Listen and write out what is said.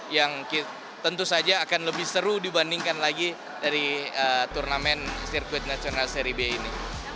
yang tentu saja akan lebih seru dibandingkan lagi dari turnamen sirkuit nasional seri b ini